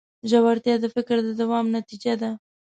ژورتیا د فکر د دوام نتیجه ده.